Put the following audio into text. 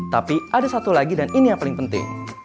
tapi ada satu lagi dan ini yang paling penting